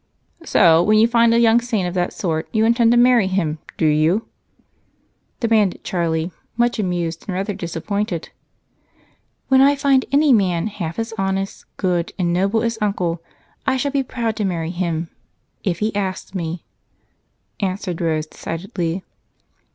So, when you find a young saint of that sort, you intend to marry him, do you?" demanded Charlie much amused and rather disappointed. "When I find any man half as honest, good, and noble as Uncle, I shall be proud to marry him if he asks me," answered Rose decidedly.